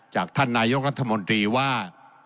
จากท่านนายกรัฐมนตรีว่า